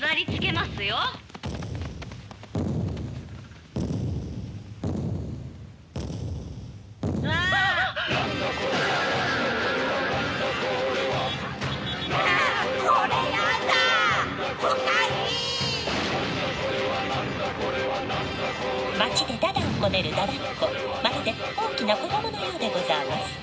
まるで大きな子供のようでござあます。